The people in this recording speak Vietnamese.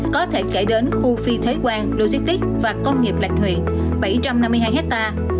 có thể kể đến khu phi thế quan logistics và công nghiệp lạch huyện bảy trăm năm mươi hai hectare